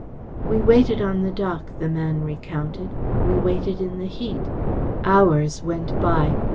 "We waited on the dock," the man recounted. "We waited in the heat. Hours went by.